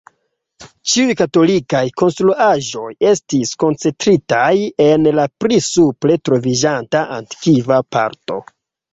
Ĉiuj katolikaj konstruaĵoj estis koncentritaj en la pli supre troviĝanta antikva parto.